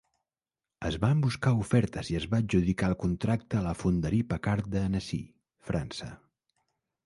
Es van buscar ofertes i es va adjudicar el contracte a la Fonderie Paccard de Annecy, França.